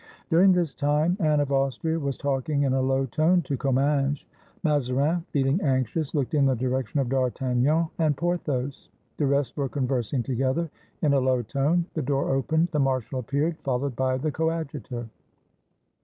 During this time Anne of Austria was talking in a low tone to Comminges. Mazarin, feeling anxious, looked in the direction of D'Artagnan and Porthos. The rest Were conversing to gether in a low tone. The door opened; the marshal appeared, followed by the Coadjutor.